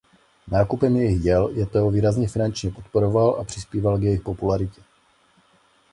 Nákupem jejich děl je Theo výrazně finančně podporoval a přispíval k jejich popularitě.